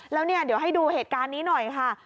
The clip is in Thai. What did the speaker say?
แล้วเนี่ยเดี๋ยวให้ดูเหตุการณ์นี้หน่อยค่ะ